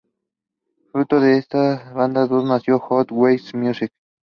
Fruto de estas dos bandas nació Hot Water Music.